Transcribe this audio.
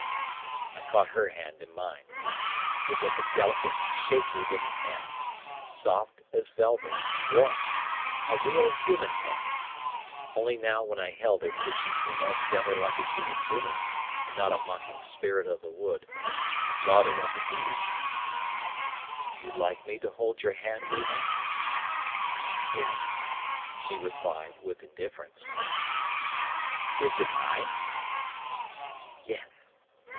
I caught her hand in mine. It was a delicate, shapely little hand, soft as velvet, and warm a real human hand; only now when I held it did she seem altogether like a human being and not a mocking spirit of the wood, a daughter of the Didi. "Do you like me to hold your hand, Rima?" "Yes," she replied, with indifference. "Is it I?" "Yes."